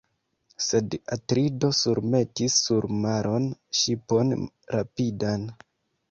Sed Atrido surmetis sur maron ŝipon rapidan.